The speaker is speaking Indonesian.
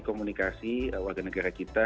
komunikasi warga negara kita